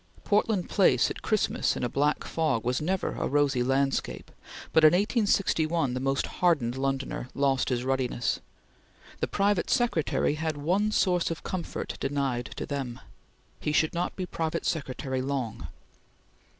Portland Place at Christmas in a black fog was never a rosy landscape, but in 1861 the most hardened Londoner lost his ruddiness. The private secretary had one source of comfort denied to them he should not be private secretary long.